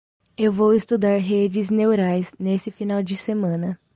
Eu vou estudar redes neurais neste final de semana.